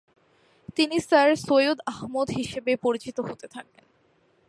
তিনি স্যার সৈয়দ আহমদ; হিসাবে পরিচিত হতে থাকেন।